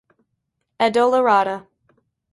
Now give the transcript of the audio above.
Addolorata.